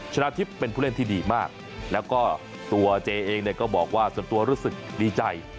ชนะทิพย์เป็นผู้เล่นที่ดีมากแล้วก็ตัวเจเองเนี่ยก็บอกว่าส่วนตัวรู้สึกดีใจ